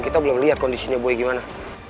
kita belum liat kondisinya boy gimana